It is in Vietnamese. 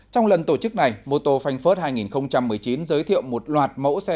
trong lần tổ chức này mô tô frankfurt hai nghìn một mươi chín giới thiệu một loạt mẫu xe